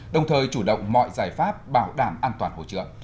đồng thời chủ động mọi giải pháp bảo đảm an toàn hỗ trợ